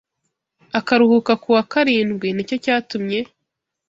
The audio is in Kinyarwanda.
akaruhuka ku wa karindwi: ni cyo cyatumye